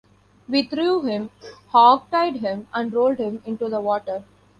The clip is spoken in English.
We threw him, hogtied him and rolled him into the water.